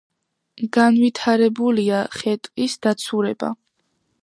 განვითარებულია ხე-ტყის დაცურება.